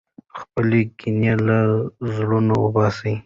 خپلې کینې له زړونو وباسئ.